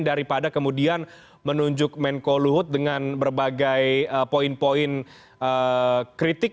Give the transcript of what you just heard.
daripada kemudian menunjuk menko luhut dengan berbagai poin poin kritik